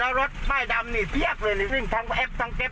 แล้วรถป้ายดำนี่เกิดเลยนะครับ